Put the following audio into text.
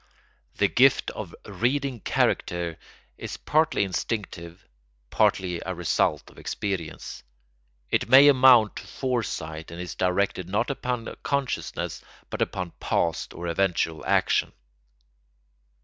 The gift of reading character is partly instinctive, partly a result of experience; it may amount to foresight and is directed not upon consciousness but upon past or eventual action.